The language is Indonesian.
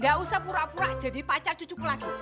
gak usah pura pura jadi pacar cucuku lagi